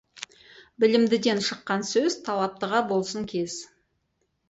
Білімдіден шыққан сөз талаптыға болсын кез.